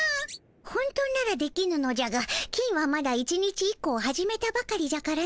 本当ならできぬのじゃが金はまだ１日１個を始めたばかりじゃからの。